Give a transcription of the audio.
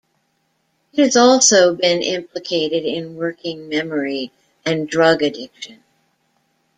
It has also been implicated in working memory and drug addiction.